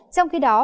trong khi đó